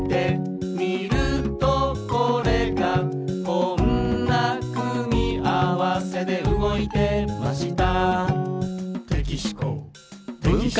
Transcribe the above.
「こんな組み合わせで動いてました」